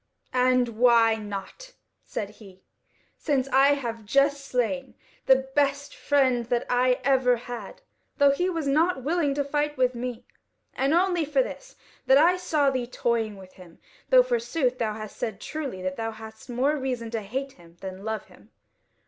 "And why not?" said he, "since I have just slain the best friend that I ever had, though he was nought willing to fight with me, and only for this, that I saw thee toying with him; though forsooth thou hast said truly that thou hadst more reason to hate him than love him.